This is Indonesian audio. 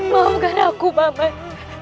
maafkan aku pak man